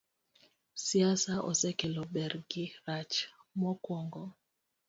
Siasa osekelo ber gi rach: Mokwongo,